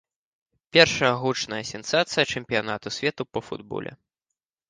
Першая гучная сенсацыя чэмпіянату свету па футболе.